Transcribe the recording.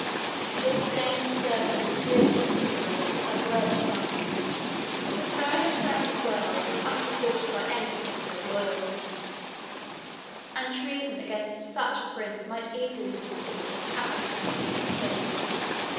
They disdained to serve the luxurious indolence of his unworthy son. The throne of the Roman world was unsupported by any principle of loyalty; and treason against such a prince might easily be considered as patriotism to the state.